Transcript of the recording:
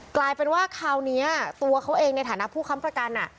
กลายเป็นว่าคราวนี้ตัวเขาเองในฐานะผู้ค้ำประกัน